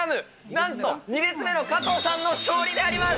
なんと２列目の加藤さんの勝利であります。